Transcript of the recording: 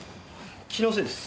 気のせいです。